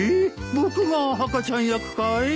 僕が赤ちゃん役かい？